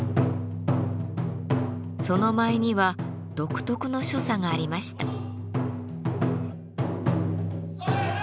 その舞には独特の所作がありました。